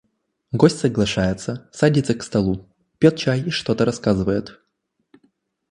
Гость соглашается, садится к столу, пьет чай и что-то рассказывает.